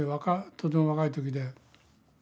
とても若い時で。